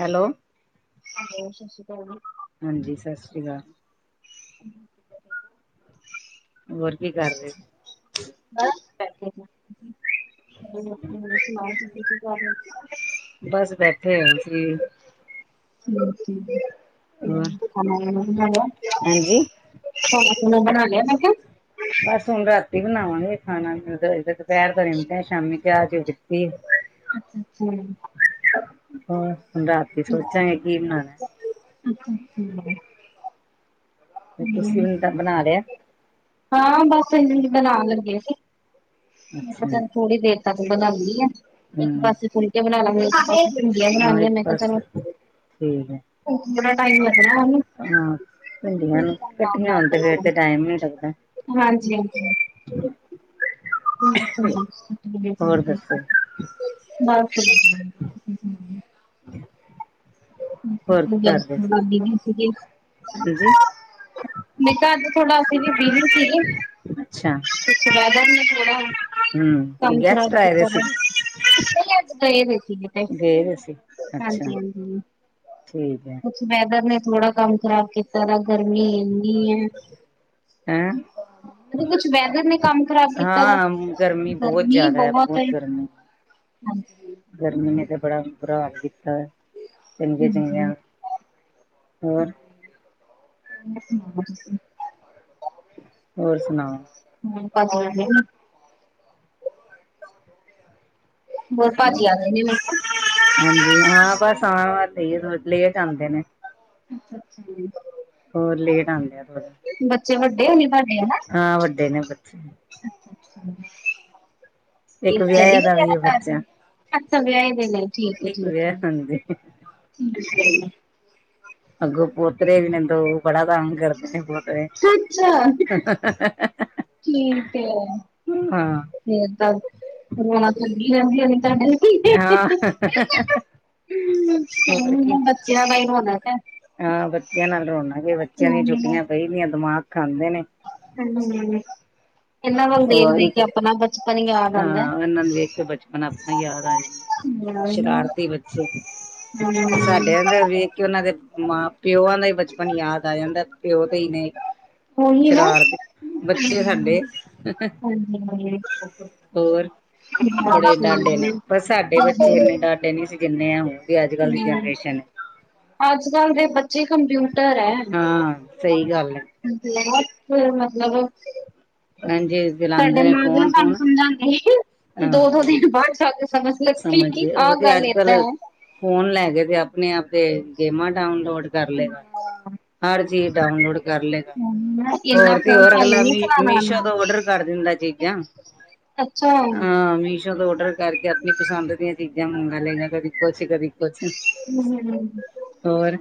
Hello- ਹਾਂਜੀ ਸਤਿ ਸ਼੍ਰੀ ਅਕਾਲ ਜੀ- ਹਾਂਜੀ ਸਤਿ ਸ਼੍ਰੀ ਅਕਾਲ। [unintelligible] ਹੋਰ ਕੀ ਕਰ ਰਹੇ। ਬਸ ਬੈਠੇ। ਕੀ ਕਰ ਬਸ [unintelligible] [unintelligible] ਖਾਣਾ ਹੋਰ ਹਾਂਜੀ ਖੁਣਾ ਬਣਾ ਲਿਆ ਮੈਂ ਕਿਆ ਬਸ ਹੁਣ ਰਾਤੀ ਬਣਾਵਾਂਗੇ ਖਾਣਾ ਦੁਪਹਿਰ ਦਾ ਨਿਪਟਿਆ ਸ਼ਾਮੀ ਚਾਹ ਚੂ ਪੀਤੀ ਏ [unintelligible] ਹੋਰ ਹੁਣ ਰਾਤੀ ਸੋਚਾਂਗੇ ਕੀ ਬਣਾਉਣਾ- [unintelligible] ਤੁਸੀ ਹੁਣ ਦਾ ਬਣਾ ਲਿਆ। ਹਾਂ ਬਸ ਹਨ ਬਣਾਉਣ ਲੱਗੇ ਸੀ। ਮੈ ਅੱਛਾ ਚਲ ਥੋੜੀ ਦੇਰ ਤੱਕ ਬਣਾਉਦੀ ਆ ਇਕ ਹਮ ਪਾਸੇ ਫੁਲਕੇ ਬਣਾ ਲਾਂ ਪਾ- ਭਿੰਡੀਆਂ ਹੀ ਹਾਂ ਬਣਾਣੀਆਂ ਇੱਕ ਨੇ ਮੈ ਕਿਹਾ ਬਸ ਚਲੋ ਠੀਕ ਹੈ ਥੋੜਾ ਟਾਈਮ ਲੱਗਣਾ। ਹਾਂ ਭਿੰਡੀਆਂ ਮੈਂ ਕਿਹਾ ਚੱਲ ਨਾਲ ਕਟੀਆਂ ਨਾਲ ਹੋਣ ਤੇ ਫਿਰ ਤੇ ਬਣਾਉਂਗੀ। ਟਾਈਮ ਨਹੀ ਲੱਗਦਾ। ਹਾਂਜੀ- ਹਾਂਜੀ- [inaudible] ਹੋਰ ਦੱਸੋ [unintelligible] ਹੋਰ ਕੀ ਕਰਦੇ ਸੀ [unintelligible] ਹਾਂਜੀ ਨਹੀਂ ਕਿਹਾ ਅੱਜ ਥੋੜਾ ਅਸੀਂ ਵੀ ਬਿਜੀ ਸੀਗੇ ਅੱਛਾ। ਸਤ ਸ਼ੀਦ ਉਹ ਨੇ ਥੋੜਾ ਹਮ ਕੰਮ ਖ਼ਰਾਬ ਗੈਸਟ ਆਏ ਦੇ ਕੀਤਾ ਵਾ ਸੀ [unintelligible] ਐਨ ਗਏ ਦੇ ਸੀ ਅੱਛਾ ਹਾਂਜੀ ਹਾਂਜੀ ਠੀਕ ਹੈ ਅ ਵੈਦਰ ਨੇ ਥੋੜਾ ਕੰਮ ਖਰਾਬ ਕੀਤ ਜ਼ਾਰ ਗਰਮੀ ਇਨੀ ਹੈ ਹੈਂ ਕੁਛ ਵੈਦਰ ਨੇ ਕੰਮ ਖ਼ਰਾਬ ਕੀਤਾ ਹਾਂ ਬਹੁਤ ਗਰਮੀ ਜ਼ਿਆਦਾ ਹੈ ਬਹੁਤ [inaudible] ਹਾਂਜੀ। ਗਰਮੀ ਨੇ ਤਾਂ ਬੜਾ ਬੁਰਾ ਹਾਲ ਕੀਤਾ ਚੰਗੇ ਹਮ -ਹਮ ਚੰਗਿਆਂ ਹੋਰ ਸੀ ਹੋਰ ਸੁਣਾਓ ਹਮ ਪਤਾ ਹੋਰ ਭਾਜੀ ਆਦੇ ਨੇ ਹਾਂਜੀ ਹਾਂ ਬਸ ਆਣ ਵਾਲੇ ਈ ਏ ਥੋੜੀ ਲੇਟ ਆਂਦੇ ਨੇ। ਅੱਛਾ- ਅੱਛਾ ਹੋਰ ਲੇਟ ਆਉਂਦੇਿਆ ਥੋੜਾ ਬੱਚੇ ਵੱਡੇ ਉਹ ਨ ਵੱਡੇ ਨਾ ਹਾਂ ਵੱਡੇ ਨੇ ਬੱਚੇ [unintelligible] ਇੱਕ ਵਿਆਹ ਦਾ ਵੀ ਹੈ ਬੱਚਾ ਅੱਛਾ ਵਿਆਹੀ ਦੇ ਲ ਠੀਕ ਹੈ ਇੱਕ ਠੀਕ ਵਿਆਹ ਹਾਂਜੀ ਹੈ ਅੱਗੋਂ ਪਲੋਤਰੇ ਵੀ ਨੇ ਦੋ ਬੜਾ ਤੰਗ ਕਰਦੇ ਨੇ ਪਲਤਰੇ ਅੱਛਾ ਠੀਕ ਹੈ ਹਾਂ ਫ ਤਾਂ ਰੋਨਾ ਲੱ ਰਹਦੀਡ ਹਾਂ ਹੋਰ ਕੀ ਹਮ ਬੱਚਿਆਂ ਬਾਈ ਹੋਦਾ ਤੇ ਹਾਂ ਬੱਚਿਆਂ ਨਾਲ ਰੋਣਾਗੇ ਬੱਚਿਆਂ ਦੀਆਂ ਹਮ ਛੁੱਟੀਆਂ ਕਈਦੀਆਂ ਦਿਮਾਗ ਖਾਂਦੇ ਨੇ ਹਮ ਉਹ ਬਚਪਨ ਯਾਦ ਆਉਂਦਾ ਹਾਂ ਇਹਨਾਂ ਨੂੰ ਵੇਖ ਕੇ ਬਚਪਨ ਆਪਣਾ ਯਾਦ ਆ ਜਾਂਦਾ ਹਮ ਸ਼ਰਾਰਤੀ ਬੱਚੇ ਸਾਡੇ ਉਹੀ ਅਦਰ ਵੀ ਕਿ ਉਹਨਾਂ ਦੇ ਮਾਂ ਪਿਓ ਦਾ ਬਚਪਨ ਯਾਦ ਆ ਜਾਂਦਾ ਪਿਓ ਤੇ ਹੀ ਨੇ ਨਾ ਸ਼ਰਾਰਤੀ ਬੱਚੇ ਸਾਡੇ ਹਾਂਜੀ- ਹਾਂਜੀ ਹੋਰ ਬੜੇ ਡਾਡੇ ਨੇ ਹਾਂਜੀ ਪਰ ਸਾਡੇ ਬੱਚੇ ਹਾਂਜੀ ਇੰਨੇ ਡਾਡੇ ਨਹੀਂ ਸੀ ਜਿ ਆ ਹੁਣ ਵੀ ਅੱਜ ਕੱਲ੍ਹ ਦੀ ਹਮ, ਜਨਰੇਸ਼ਨ ਛ ਅੱਜ ਕੱਲ੍ਹ ਦੇ ਬੱਚੇ ਕੰਪਿਊਟਰ ਹੈ ਹਾਂ ਸਹੀ ਗੱਲ ਹੈ ਬਹੁਤ ਫੇਰ ਮਤਲਬ ਹਾਂਜੀ ਸਾਡੇ ਦਿਲਾਂਦੇ ਨੇ ਮਾਂ ਪਿਤਾ ਫੋਨ ਸਾਨੂੰ ਫੂਨ ਸਮਝਾਉਂਦੇ ਸੀ ਹਾਂ ਦੋ- ਦੋ ਦਿਨ ਬਾਅਦ ਜਾ ਕੇ ਸਮਝ ਲੱਗੀ ਕੀ ਸਮਝਦੇ ਆਹ ਉਹ ਤੇ ਗੱਲ ਅੱਜ ਏਦਾਂ ਕੱਲ ਅ। ਫੋਨ ਲੈ ਗ ਤੇ ਆਪਣੇ ਆਪ ਤੇ ਗੇਮਾਂ ਡਾਊਨਲੋਡ ਕਰ ਲਏਗਾ ਹਰ ਚੀਜ਼ ਡਾਊਨਲੋਡ ਕਰ ਲਏਗਾ ਹਾਂ ਇੰਨਾ ਹੋਰ ਤੇ ਫੋਨ ਹੋਰ ਸਾਨੂੰ ਅਗਲਾ ਨੀ ਮ ਚਲਾਣਾ ਮੀਸ਼ੋ ਆਂਦਾ। ਤੋਂ ਓਡਰ ਕਰ ਦਿੰਦਾ ਚੀਜ਼ਾਂ ਅੱਛਾ। ਹਾਂ ਮੀਸ਼ੋ ਔਡਰ ਕਰਕੇ ਆਪਣੀ ਪਸੰਦ ਦੀਆਂ ਚੀਜ਼ਾਂ ਮੰਗਵਾ ਲਏਗਾ ਕਦੀ ਕੁਛ ਕਦੀ ਕੁਛ ਹਮ ਹ ਹੋਰ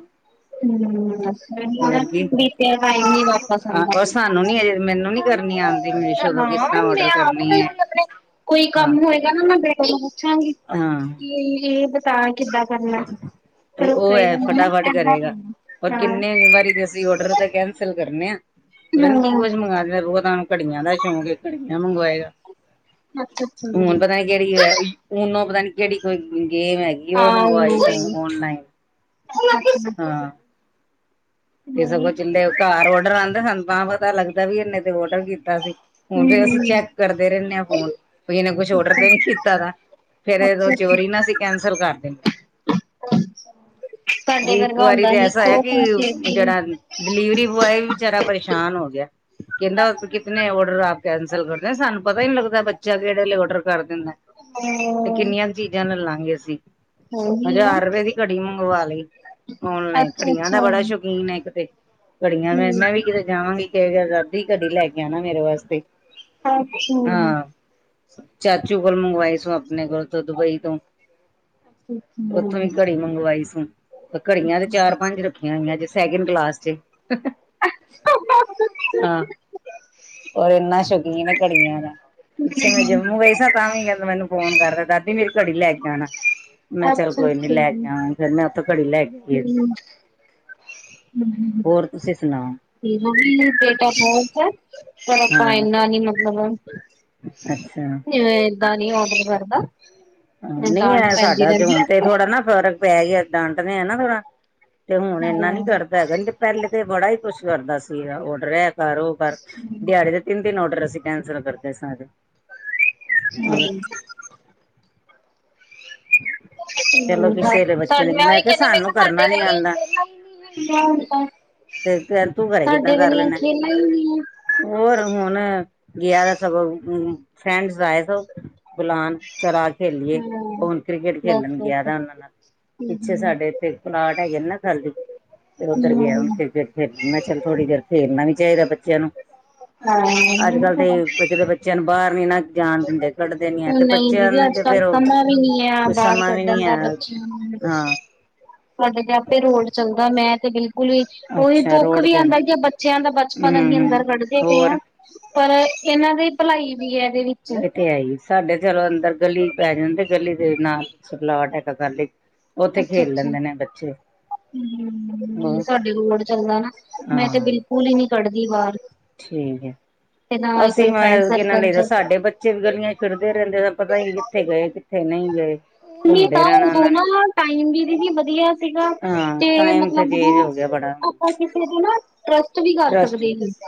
ਹਮ ਹੋਰ ਕੀ ਬੀਤਿਆ ਟਾਈਮ ਨ ਨਹੀ ਵਾਪਸ ਆਉਂਦਾ ਉਹ ਸਾਨੂੰ ਨੀ ਅਜੇ ਮੈਨੂੰ ਨੀ ਕਰਨੀ ਆਉਂਦੀ ਮੀਸ਼ੋ ਤੋਂ ਹਾਂ ਕਿਸ ਤਰ੍ਹਾਂ ਮੈਂ ਔਡਰ ਆਗਾ ਕਰਨੀ ਹੈ ਵੀ ਆਪਣੇ ਕੋਈ ਹਾਂ ਕੰਮ ਹੋਏਗਾ ਨਾ ਮੈਂਡੇਰੇ ਕੋਲੋਂ ਪੁੱਛਾਂਗੀ ਹਾਂ ਕਿ ਇਹ ਪਤਾ ਕਿੱਦਾਂ ਕਰਨਾ ਤੇ ਸਾਡੇ ਉਹ ਐ, ਫਟਾ-ਫਟ ਕਰੇਗਾ। ਔਰ ਕਿੰਨੇ ਵਾਰੀ ਤੇ ਅਸੀਂ ਆਰਡਰ ਤੇ ਕੈਂਸਲ ਕਰਨੇ ਆਂ। ਉਹ ਕੀ ਕੁਛ ਮੰਗਗਾ ਦੇਦੇ ਬੋਤ ਆਉਣ ਘੜੀਆਂ ਦਾ ਸ਼ੌਕ ਘੜੀਆਂ ਮੰਗਵਾਏਗਾ ਹੁਣ ਪਤਾ ਕਿਹੜੀ ਹੈ ਨੋਂ ਪਤਾ ਨੀ ਕਿਹੜੀ ਕੋਈ ਗੇਮ ਹੈਗੀ ਉਹ ਮੰਗਵਾਏ ਸੋ ਔਨਲਾਈਨ ਅੱਛਾ ਹਾਂ ਤੇ ਸਗੋਂ ਚੱਲੇ ਘਰ ਔਡਰ ਆਹਂਦੇ ਸਨ ਤਾਂ ਪਤਾ ਲੱਗਦਾ ਵੀ ਇਹਨੇ ਤੇ ਔਡਰ ਕੀਤਾ ਸੀ ਹੁਣ ਫੇਰ ਅਸੀਂ ਚੈੱਕ ਕਰਦੇ ਰਹਨੇ ਆ ਫੋਨ ਬਈ ਇਨੇ ਕੁਛ ਔਡਰ ਤੇ ਨੀ ਕੀਤਾ ਦਾ। ਫੇਰ ਦੋਂ ਚੋਰੀ ਨਾ ਅਂ ਕੈਂਸਲ ਕਰ ਦਿੰਦੇ ਹਾਂ ਇੱਕ ਵਰਗਾ ਵਾਰੀ ਹੁੰਦਾ ਤੇ ਸੀ ਐਸਾ ਖੋ ਹੈ ਕਿ ਖੋ ਖੇਡਦੀ ਜਿਹੜਾ ਡਿਲੀਵਰੀ ਬੋਆਏ ਵੀ ਬਚਾਰਾ ਪਰੇਸ਼ਾਨ ਹੋ ਗਿਆ ਕਹਿੰਦਾ ਕਿਤੇ ਔਡਰ ਆਪ ਕੈਂਸਲ ਕਰਦੇ ਸਾਨੂੰ ਪਤਾ ਹੀ ਨੀ ਲੱਗਦਾ ਬੱਚਾ ਕਿਹੜੇ ਔਡਰ ਕਰ ਦਿੰਦਾ ਹਾਂ ਤੇ ਕਿੰਨੀਆਂ ਚੀਜ਼ਾਂ ਨਾਲ ਲਾਂਗੇ ਅਸੀਂ ਉਹੀ ਨਾ ਹਜ਼ਾਰ ਰੁਪਏ ਦੀ ਘੜੀ ਮੰਗਵਾ ਲਈ ਨਲਾਈਨ ਅੱਛਾ ਘੜੀਆਂ ਅੱਛਾ ਦਾ ਬੜਾ ਸ਼ੁ ਯਕੀਨ ਇੱਕਤੇ ਘੜੀਆਂ ਮੈਂ ਠੀਕ ਮੈਂ ਵੀ ਹੈ ਕਿਤੇ ਜਾਵਾਂਗੀ ਦਾਦੀ ਕਦੀ ਲੈ ਗਿਆ ਨਾ ਮੇਰੇ ਵਾਸਤੇ ਅੱਛਾ ਅੱਛਾ ਹਾਂ ਚਾਚੂ ਕੋਲ ਮੰਗਵਾਏ ਸ ਆਪਣੇ ਕੋਲ ਤੋਂ ਦੁਬਈ ਤੋਂ ਉੱਥੋਂ ਵੀ ਘੜੀ ਮੰਗਵਾਈ ਸ ਘੜੀਆਂ ਤੇ ਚਾਰ ਪੰਜ ਰੱਖੀਆਂ ਹੋਈਆਂ ਜਿਸ ਸੈਕਿੰਡ ਕਲਾਸ ਚ ਆਹ ਓ ਇੰਨਾ ਸ਼ੌਕੀਨ ਏ ਘੜੀਆਂ ਦਾ। ਪਿੱਛੇ ਮੈਂ ਜੰਮੂ ਗਈ ਸਾਂ ਤਾਂ ਵੀ ਕਹਿੰਦਾ ਮੈਨੂੰ ਫੋਨ ਕਰਦਾ ਦਾਦੀ ਮੇਰੀ ਘੜੀ ਲੈ ਕੇ ਆਉਣਾ ਮੈਂ ਚੱਲ ਅੱਛਾ ਕੋਈ ਨੀ ਲੈ ਗਿਆਾਂ ਫੇਰ ਮੈਂ ਉੱਥੋਂ ਘੜੀ ਲੈ ਗਿਆ ਹੂੰ, ਹੂੰ-ਹੂੰ ਇਨਾਮ ਮੰਮੀ ਬੇਟਾ ਫੋਜ਼ ਆ ਮ ਹਾਂ ਫਾਈਨਾ ਮਤਬ ਅੱਛਾ ਦਾਂ ਨੀ ਔਡਰ ਕਰਦਾ ਹਾਂ ਮੈ ਨਹੀਂ ਤਾਂ ਐ ਪੈਂਦੀ ਸਾਡਾ ਤੇ ਰਹਿੰਦੀ ਹੁਣ ਤੇ ਥੋੜਾ ਨਾ ਫ਼ਰਕ ਪੈ ਗਿਆ ਏਦਾਂ ਆੰਟਨ ਹੈ ਨਾ ਥੋੜਾ ਤੇ ਹੁਣ ਇੰਨਾ ਨੀ ਹਾਂ ਕਰਦਾ ਹੈ ਕਹਿੰਦੇ ਪਹਿਲੇ ਤੇ ਬੜਾ ਹੀ ਕੁਛ ਕਰਦਾ ਸੀਗਾ ਉਡ ਰਿਹਾ ਕਰ ਉਹ ਕਰ ਦਿਹਾੜੀ ਦੇ ਤਿੰਨ ਤਿੰਨ ਔਡਰ ਅਸੀਂ ਕੈਂਸਲ ਕਰਦੇ ਸਾਂ ਐਦੇ। ਹਮ ਹਮ ਹਾਂ ਠੀ ਸਾਡੇਹੀ ਕਿਹਾ ਕਹਿੰਦੀ ਮੈਂ ਸਾਨੂੰ ਕਿਹਾ ਕਰਨਾ ਨੀ ਆਂਦਾ। ਸਾਡੇ ਵੀ ਤੇ ਤੂੰ ਘਰੇ ਸਾਡੇ ਕਿੱਦਾਂ ਮ ਕਰ ਨੀਆਂ ਲੈਣਾ ਖੇ ਲ ਹੀ ਆ ਹੋਰ ਹੁਣ ਗਿਆ ਤਾਂ ਸਗੋਂ ਫਰੈਂਡਸ ਆਏ ਬੁਲਾਨ ਚਰਾ ਖੇਲੀਏ ਹਮ ਹੁਣ ਕ੍ਰਿਕਟ ਖੇਲਣ ਗਿਆ ਬਸ ਉਹਨਾਂ ਨਾਲ ਪਿੱਛੇ ਸਾਡੇ ਇੱਥੇ ਪਲਾਟ ਹੈਗੇ ਨੇ ਨਾ ਖਾਲੀ ਤੇ ਉੱਧਰ ਗਿਆ ਹੁਣ ਫ ਫ ਖੇਣ ਮੈਂ ਚਲ ਥੋੜ੍ਹੀ ਦੇਰ ਖੇਲਣਾ ਵੀ ਚਾਹੀਦਾ ਬੱਚਿਆਂ ਨੂੰ ਅੱਜ ਕੱਲ੍ਹ ਹਮ ਤੇ ਕਿਤੇ ਬੱਚਿਆਂ ਨੂੰ ਬਾਹਰ ਨੀ ਨਾ ਜਾਣ ਦਿੰਦੇ ਲੜਦੇ ਨ ਆ ਹਾਂ ਤੇ ਨਹੀਂ ਬੱਚਿਆਂ ਦੀਦੀ ਨੂੰ ਅੱਜ ਤੇ ਕੱਲ ਫੇਰ ਉਹ ਸਮਾਂ ਵੀ ਨੀ ਆ ਕੁਛ ਬਾਹਰ ਸਮਾਂ ਵੀ ਕੱਢਣ ਨੀ ਹੈ ਦਾ ਬੱਚਿਆਂ ਨੂੰ ਹਾਂ ਤੁਹਾਡੇ ਤੇ ਆਪੇ ਰੋਡ ਚਲਦੈ ਮੈਂ ਤੇ ਬਿਲਕੁਲ ਈ ਉਹੀ ਅੱਛਾ ਦੁੱਖ ਰੋਡ ਵੀ ਤੇ ਨੇ ਆਉਂਦਾ ਕਿ ਬੱਚਿਆਂ ਦਾ ਬਚਪਨ ਹੂੰ ਅਸੀਂ ਅੰਦਰ ਹੂੰ ਕੱਢਦੇ ਪਏ ਹਾਂ ਹੋਰ ਪਰ ਇਹਨਾਂ ਦੀ ਭਲਾਈ ਵੀ ਹੈ ਇਹਦੇ ਵਿੱਚ ਇਹ ਤੇ ਹੈ ਹੀ ਸਾਡੇ ਚਲੋ ਅੰਦਰ ਗਲੀ ਪੈ ਜਾਂਦੇ ਗਲੀ ਦੇ ਨਾਲ ਸਲਾ ਟੈਕਾ ਕਰ ਲੀ ਉੱਥੇ ਖੇਲ ਲੈਂਦੇ ਨੇ ਬੱਚੇ ਹ ਹੋਰ ਸਾਡੇ ਰੋਡ ਚੱਲਦਾ ਨਾ ਮੈਂ ਤੇ ਹਾਂ ਬਿਲਕੁਲ ਹੀ ਨੀ ਕੱਢਦੀ ਬਾਹਰ ਠੀਕ ਹੈ। ਤੇ ਨਾ ਹੀ ਅਸੀਂ ਕੋਈ ਫਰੈਂਡ ਮੈਂ ਕੀ ਨਾ ਸਰਕਲ ਲਈਦਾ ਚ ਸਾਡੇ ਬੱਚੇ ਵੀ ਗਲੀਆਂ ਚ ਖੇਡਦੇ ਰਹਿੰਦੇ ਤਾਂ ਪਤਾ ਈ ਨੀ ਕਿੱਥੇ ਗਏ ਨਹੀ ਗਏ। ਘੁੰਮਦੇ ਤਾਂ ਰਹਿਣਾ ਉਦੋਂ ਉਹਨਾਂ ਨੇ ਨਾ ਟਾਈਮ ਵੀ ਹੀ ਵਧੀਆ ਸੀਗਾ ਹਾਂ ਤੇ ਟਾਈਮ ਤੇ ਮਤਲਬ ਜ ਚੇਂਜ ਹੋ ਗਿਆ ਬੜਾ ਅਸ ਦਿਲ ਨਾਲ ਟਰੱਸਟ ਵੀ ਟਰਸਟ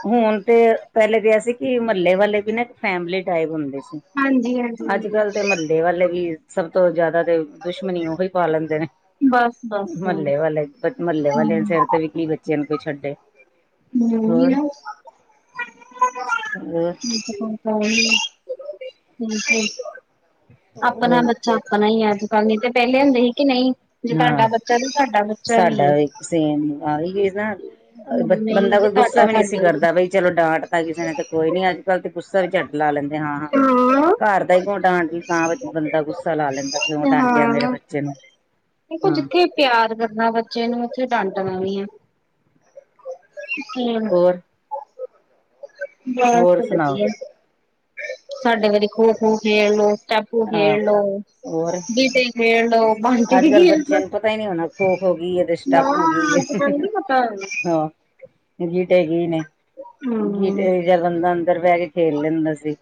ਹੁਣ ਤੇ ਪਹਿਲੇ ਕਿਹਾ ਸੀ ਕਿ ਮਹੱਲੇ ਵਾਲੇ ਵੀ ਨਾ ਇੱਕ ਫੈਮਿਲੀ ਟਾਈਪ ਹੁੰਦੇ ਸੀ ਹਾਂਜੀ ਅੱਜ ਹਾਂਜੀ ਕੱਲ ਤੇ ਮੇ ਦੇ [unintelligible] ਵਾਲੇ ਵੀ ਸਭ ਤੋਂ ਜਿਆਦਾ ਤੇ ਦੁਸ਼ਮਣੀ ਉਹੀ ਪਾਲੈਦੇ ਨੇ ਬਸ ਬਸ ਹਮ ਮਹੱਲੇ ਵਾਲੇ ਮਹੱਲੇ ਵਾਲੇ ਸਿਰ ਤੇਵੀ ਕੀ ਬੱਚੇ ਜਿਨ ਕੋਈ [unintelligible] ਛੱਡੇ ਹੋਰ ਹਮ ਨਾਠ ਹੋਰ [unintelligible] [unintelligible] ਆਪਣਾ ਬੱਚਾ ਆਪਣਾ ਹੀ ਹੈ ਅੱਜਕੱਲ ਨਹੀ ਤੇ ਪਹਿਲੇ ਹੁੰਦੇ ਸੀ ਕਿ ਨਹੀਂ ਜੇ ਹਾਂ ਤੁਹਾਡਾ ਬੱਚਾ ਤੇ ਤੁਡਾ ਬੱਚਾ ਵੀ ਸਾਡਾ ਸੇਮ ਆ ਇਹ ਨਾ ਬ ਹੁਣ ਨਹੀਂ ਬੰਦਾ ਜੀ ਕੋਈ ਗੁੱਸਾ ਤੁਹਾਡਾ ਵੀ ਨਹੀ ਸੀ ਸਾਡਾ ਹੀ ਕਰਦਾ ਬਈ ਚਲੋ ਡਾਂਟ ਤ ਕਿਸੇ ਨੇ ਤੇ ਕੋਈ ਨੀ ਅਜ ਕਲ ਗੁੱਸਾ ਵੀ ਝੱਡ ਲਾ ਲੈਂਦੇ ਹਾਂ। ਘਰ ਦਾਈ ਕਿਉਂ ਡਾਂਟ ਤਾਂ ਬੰਦਾ ਗੁੱਸਾ ਲਾ ਲੈਂਦਾ ਕਿਉ ਏ ਡਾਂਟਿਆ ਮੇਰੇ ਹਾਂ ਬੱਚੇ ਨੂੰ ਦੇਖੋ, ਹਾਂ ਜਿੱਥੇ ਪਿਆਰ ਕਰਨਾ ਬੱਚੇ ਨੂੰ ਉੱਥੇ ਡੰਟਣਾ ਵੀ ਹੈ। ਤੀਨ ਹੋਰ ਬਸ ਹੋਰ ਸੁਣਾਓ ਵਧੀਆ ਸਾਡੇ ਵਾਰੀ ਖੋ-ਖੋ ਖੇਲ ਲੋ। ਸਟਪੂ ਹਾਂ ਖੇਣਲੋ, ਹੋਰ ਗੀਟੇ ਖੇਣਲੋ, ਬਾਂਟੇ ਅੱਜ ਕੱਲ੍ਹ ਖੇਣ ਲੋ ਬੱਚਿਆਂ ਨੂੰ ਪਤਾ ਹੀ ਨਹੀਂ ਹੋਣਾ ਖੋ ਖੋ ਗਈ ਹੈ ਤੇ ਨਾ ਸਟੱਪ ਹੋ ਗਈ ਹੈ ਅੱਜ-ਕੱਲ ਨੀ ਪਤਾ। ਗੀਟੇ ਗੀ ਨੇ ਹੂੰ ਗੀਟੇ। ਬੰਦਾ ਅੰਦਰ ਬਹਿ ਕੇ ਖੇਲ ਲੈਂਦਾ ਸੀ।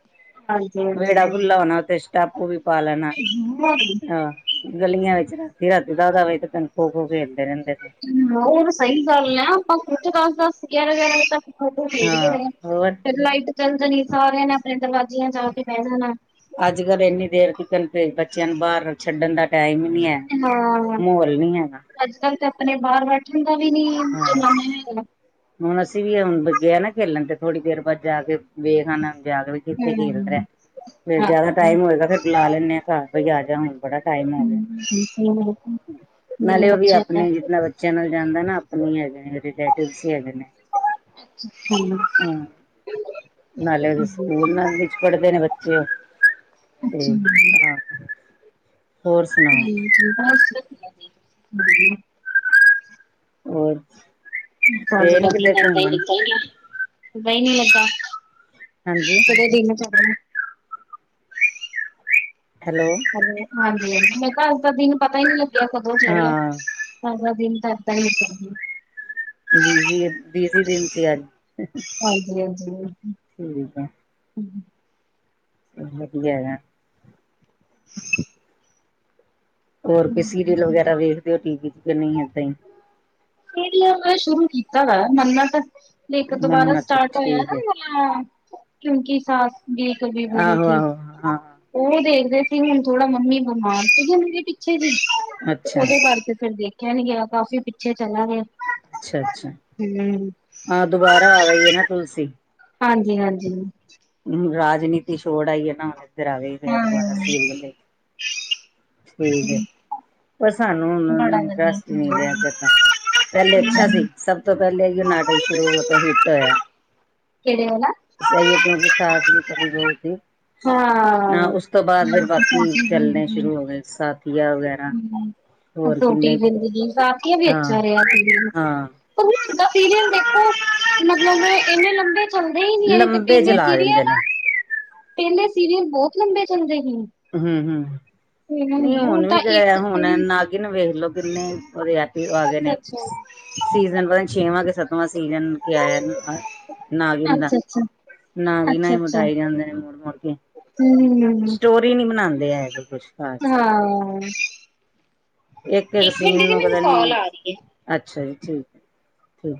ਹਾਂਜੀ ਵਿਹੜਾ ਖੁੱਲਾ ਹੋਣਾ ਉਥੇ ਓਵੀ ਪਾ ਲੈਣਾ- ਹਾਂਜੀ ਆਹ ਗਲੀਆਂ ਵਿਚ ਰਾਤੀ-ਰਾਤੀ ਦਾਸ-ਦਾਸ ਵਵੇ ਤੇ ਤਕ ਖੋ- ਖੋ ਖੇਡਦੇ ਰਹਿਦੇ ਸਾ। ਹੂੰ ਹੋਰ ਸਹੀ ਗੱਲ ਐ ਆਪਾਂ ਖੁਦ ਦੱਸ-ਦੱਸ ਗਿਆਰਾਂ- ਗਿਆਰਾਂ ਵਜੇ ਤੱਕ- ਓਦੋ ਹਾਂ ਖੇਡਦੇ ਰਏ ਹੋਰ ਆ ਲਾਈਟ ਚੱਲ ਜਾਣੀ ਸਾਰਿਆਂ ਨੇ ਆਪਣੇ ਦਰਵਾਜ਼ਿਆਂ ਜਾ ਕੇ ਬਹਿ ਜਾਣਾ। ਅੱਜ-ਕੱਲ੍ਹ ਇੰਨੀ ਦੇਰ ਬੱਚਿਆਂ ਨੂੰ ਬਾਹਰ ਛੱਡਣ ਦਾ ਟਾਈਮ ਈ ਨੀ ਹੈ, ਮਾਹੌਲ ਨੀ ਹੈਗਾ। ਅੱਜਕੱਲ੍ਹ ਤੇ ਆਪਣੇ ਬਾਹਰ ਬੈਠਣ ਦਾ ਵੀ ਨੀ, ਹਾਂ। ਜਮਾਨਾ ਹੈਗਾ। ਹੁਣ ਅਸੀਂ ਵੀ ਹੁਣ ਗਏ ਆ ਨਾ ਖੇਲਣ ਤੇ ਥੋੜ੍ਹੀ ਦੇਰ ਬਾਅਦ ਜਾ ਕੇ ਵੇਖਾ ਆਨਾ ਜਾ ਕੇ ਕਿੱਥੇ ਖੇਡ ਰਿਹਾ ਹੂੰ। ਫੇਰ ਜਿਆਦਾ ਟਾਈਮ ਹੋਏਗਾ ਫ਼ਿਰ ਬੁਲਾ ਲੈ ਆਾ ਘਰ ਬਾਈ ਆ ਜਾ ਹੁਣ। ਬੜਾ ਟਾਈਮ ਹੋ ਗਿਆ। ਨਾਲੇ ਉਹ ਵੀ ਬੱਚਿਆਂ ਦਾ ਆਪਣੇ ਜਿਨਾ ਬੱਚੇ ਚਨਲ ਜਾਂਦਾ ਨਾ ਆਪਣੀ ਹੈਗੇ ਨੇ ਰਿਲੇਟਿਵਸ ਹੀ ਹੈਗੇ ਨੇ। [unintelligible] ਹਾਂ ਨਾਲੇ ਸਕੂਲ ਨਾਲ ਵਿਚ ਪੜ੍ਹਦੇ ਨੇ ਬੱਚੇ ਓ- ਤੇ ਵਧੀਆ [unintelligible] ਹੋਰ ਸੁਣਾਓ [inaudible] ਹੋਰ? ਗਏ ਨੀ ਕਿਤੇ ਘੁੰਮਣ [unintelligible] ਹਾਂਜੀ। ਕਦੋਂ ਦਿਨ ਚ [unintelligible] ਹੈਲੋ। ਹਾਂਜੀ-ਹਾਂਜੀ, ਮੈਂ ਕਿਹਾ ਅੱਜ ਦਾ ਦਿਨ ਪਤਾ ਹੀ ਨਹੀਂ ਲੱਗਿਆ ਕਦੋਂ ਚੜਿਆ। ਹਾਂ ਅਜ ਦਾ ਦਿਨ ਤਾਂ ਇਦਾਂ ਈ ਨਿਕਲ ਗਿਆ। ਬੀਜੀ-ਬੀਜੀ ਦਿਨ ਸੀ ਅਜ- ਹਾਂਜੀ-ਹਾਂਜੀ। ਠੀਕ ਆ। ਹੂੰ। [unintelligible] [inaudible] ਹੋਰ ਕੋਈ ਸੀਰੀਅਲ ਵਗੈਰਾ ਵੇਖਦੇ ਹੋ ਟੀਵੀ ਤੇ ਕਿ ਨਈ ਏਦਾਂ ਈ ਖਡੀ ਮੈਂ ਸ਼ੁਰੂ ਕੀਤਾ ਵਾ ਮੰਨਣਾ ਤਾਂ ਇੱਕ ਦੁਬਾਰਾ ਮੰਨਤ ਸਟਾਰਟ ਹੋਇਆ ਠੀਕ ਹੈ ਨਾ [unintelligible] ਕਿਉਂਕਿ ਸਾਸ ਬੀ ਕਬੀ ਬਹੂ ਆਹੋ ਥੀ। ਆਹੋ ਹਾਂ ਓਈ ਦੇਖਦੇ ਸੀ ਹੁਣ ਥੋੜਾ ਮੰਮੀ ਬਿਮਾਰ ਸੀਗੀ ਹੁੰਦੀ ਪਿਛੇ ਜੇ ਤੇ ਅੱਛਾ ਓਦੇ ਕਰਕੇ ਤੇ ਫਿਰ ਦੇਖਿਆ ਨੀ ਗਿਆ ਕਾਫੀ ਪਿਛੇ ਚਲਾ ਗਿਆ। ਅਛਾ-ਅਛਾ। ਹੂੰ। ਹਾਂ ਦੁਬਾਰਾ ਆ ਗਈ ਏ ਨਾ ਤੁਲਸੀ। ਹਾਂਜੀ-ਹਾਂਜੀ। ਹ ਰਾਜਨੀਤੀ ਛੋੜ ਆਈ ਹੈ ਨਾ ਹੁਣ ਇਧਰ ਆ ਗ ਫ ਹਾਂ ਦੁਬਾਰਾ ਸੀਲ ਠੀਕ ਹੈ, ਪਰ ਸਾਨੂੰ ਹਣ ਬੜਾ ਵਧੀਆ ਇੰਟਰਸਟ ਨੀ ਰਿਹਾ [unintelligible] ਪਹਿਲੇ ਅੱਛਾ ਸੀ, ਸਭ ਤੋਂ ਪਹਿਲੇ ਜੋ ਨਾਟਕ ਸ਼ੁਰੂ ਤੋਂ ਹਿੱਟ ਹੋਇਆ। ਕੇੜੈ ਵਲਾ? ਸਈ ਏ ਕੇਓਕੀ ਸਾਸ ਵੀ ਕਬੀ ਬਹੂ ਥੀ। ਹਾਂ ਉਸ ਤੋਂ ਬਾਅਦ ਫਿਰ ਕਸੌਟੀ ਬਾਕੀ ਚੱਲਣੇ ਜ਼ਿੰਦਗੀ ਸ਼ੁਰੂ ਹੋ ਗਏ ਸਾਥੀਆਂ ਵਗੈਰਾ। ਹੋਰ ਛੋਟੀ ਕਿੰਨੇ ਜ਼ਿਦਗੀ ਕਵੀ ਹਾਂ ਅੱਛਾ ਰਿਹਾ ਸੀਰੀ ਹਾਂ ਫੀਲ ਦੇਖੋ ਮਤਲਬ ਏਨੇ ਲੰਬੇ ਚੱਲਦੇ ਈ ਨੀ ਏਦੇ ਤੇ ਲੰਬੇ ਪਹਿਲੇ ਚਲਾ ਦਿੰਦੇ ਸੀਰੀਅਲ ਨੇ ਪਹਿਲੇ ਸੀਰੀਅਲ ਬਹੁਤ ਲੰਬੇ ਚੱਲਦੇ ਸੀ। ਹੂੰ-ਹੂੰ। ਹੁਣ ਨਈ ਨੀ ਹੁਣ ਹੁਨ ਵੀ ਤਾਂ ਇੱਕ ਕਿਹੜਾ ਹੁਣ ਅੱਛਾ-ਅੱਛਾ। ਨਾਗਿਨ ਵੇਖਲੋ ਕਿਨੇ ਓਦੇ ਆ ਗਏ ਨੇ ਐਪੀ ਸੀਜਨ ਪਤਾ ਛੇਵਾਂ ਕਿ ਸੱਤਵਾਂ ਸੀਜਨ ਕੇ ਆਇਆ [unintelligible] ਅਛਾ-ਅਛਾ। ਨਾ ਵੀ ਨਾ ਈ ਮਿਟਾਏ ਜਾਂਦੇ ਨੇ ਮੁੜ-ਮੁੜ ਕੇ। ਹੂੰ। ਸਟੋਰੀ ਨੀ ਬਣਾਦੇ ਹੈ ਕੁਛ ਬਾਸ ਹਾਂ। ਇਕ-ਇਕ ਇੱਕ ਮਿੰਟ ਸੀਨ ਦੀ ਨੂੰ ਮੈਨੂੰ ਪਤਾ ਨੀ ਕਾਲ ਆ ਰਹੀ ਹੈ। ਅੱਛਾ ਜੀ ਠੀਕ ਐ ਠੀਕ।